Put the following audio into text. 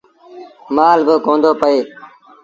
مآل با ڪوندو پيٚئي۔